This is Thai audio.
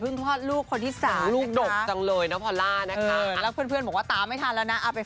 แบบไม่อยากอยู่เมืองไทยคนเดียวเพราะว่าแบบทุกคนไปกันหมดเลยอะไรอย่างเงี้ย